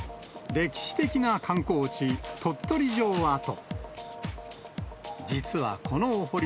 歴史的な観光地、鳥取城跡。